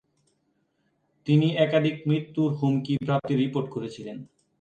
তিনি একাধিক মৃত্যুর হুমকি প্রাপ্তির রিপোর্ট করেছিলেন।